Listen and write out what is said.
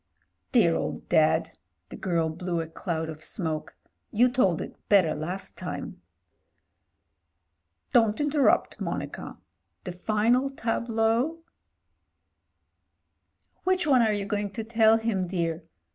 "Dear old Dad !" The girl blew a cloud of smoke. "You told it better last time." "Don't interrupt, Monica. The final tableau " "Which one are you going to tell him, dear?